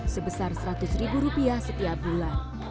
sebesar seratus ribu rupiah setiap bulan